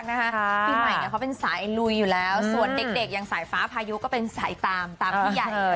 ปีใหม่เขาเป็นสายลุยอยู่แล้วส่วนเด็กอย่างสายฟ้าพายุก็เป็นสายตามตามผู้ใหญ่